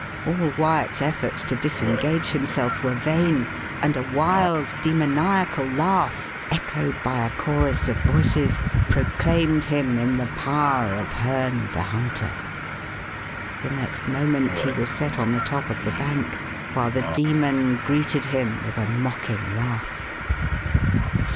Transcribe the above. All Wyat's efforts to disengage himself were vain, and a wild, demoniacal laugh, echoed by a chorus of voices, proclaimed him in the power of Herne the Hunter. The next moment he was set on the top of the bank, while the demon greeted him with a mocking laugh.